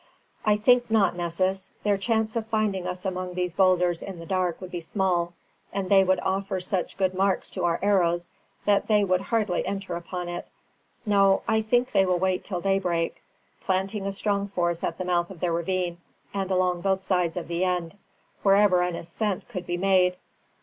"I think not, Nessus. Their chance of finding us among these boulders in the dark would be small, and they would offer such good marks to our arrows that they would hardly enter upon it. No, I think they will wait till daybreak, planting a strong force at the mouth of the ravine, and along both sides of the end, wherever an ascent could be made.